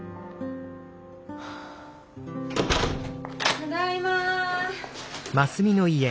ただいま。